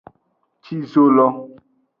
Ci zo lo.